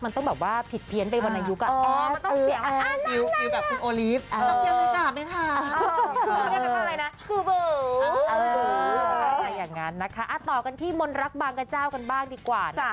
มันต้องผิดเพี้ยนไปบนอายุก